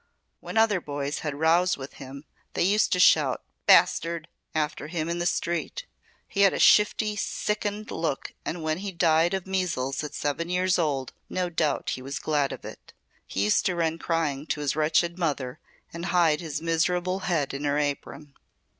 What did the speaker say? When other boys had rows with him they used to shout 'Bastard' after him in the street. He had a shifty, sickened look and when he died of measles at seven years old no doubt he was glad of it. He used to run crying to his wretched mother and hide his miserable head in her apron."